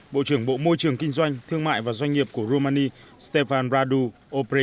bộ trưởng bộ môi trường kinh doanh thương mại và doanh nghiệp của romania stefan radu oprea